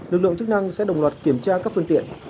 lực lượng chức năng sẽ đồng loạt kiểm tra các phương tiện